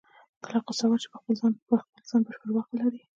کله غوسه ورشي په خپل ځان بشپړ واک ولري.